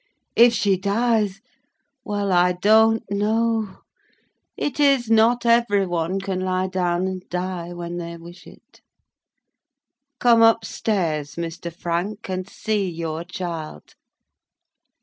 If she dies—well, I don't know: it is not every one can lie down and die when they wish it. Come up stairs, Mr. Frank, and see your child.